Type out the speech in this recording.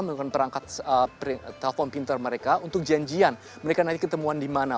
menggunakan perangkat telpon pintar mereka untuk janjian mereka nanti ketemuan di mana